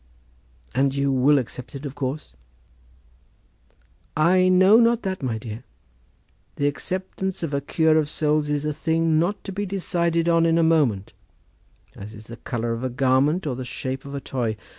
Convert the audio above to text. "And you will accept it, of course?" "I know not that, my dear. The acceptance of a cure of souls is a thing not to be decided on in a moment, as is the colour of a garment or the shape of a toy.